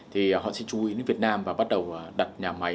thì họ sẽ chú ý đến việt nam và bắt đầu đặt nhà máy